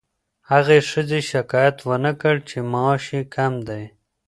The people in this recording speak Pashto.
هغې ښځې شکایت ونه کړ چې معاش یې کم دی.